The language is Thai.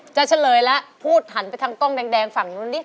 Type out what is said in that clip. เฉลยแล้วพูดหันไปทางกล้องแดงฝั่งนู้นดิ